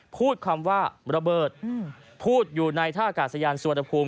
พูดคำว่าระเบิดพูดอยู่ในท่ากาศยานสุวรรณภูมิ